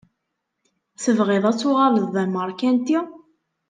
TebƔiḍ ad tuƔaleḍ d amaṛkanti?